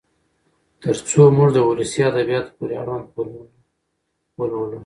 تر څو موږ د ولسي ادبياتو پورې اړوند فورمونه ولولو.